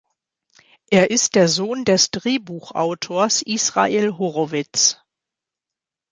Er ist der Sohn des Drehbuchautors Israel Horovitz.